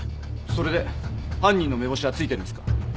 それで犯人の目星は付いてるんすか？